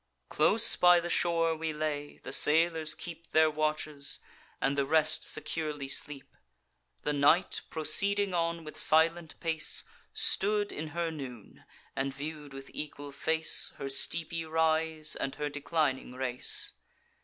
Close by the shore we lay; the sailors keep Their watches, and the rest securely sleep. The night, proceeding on with silent pace, Stood in her noon, and view'd with equal face Her steepy rise and her declining race.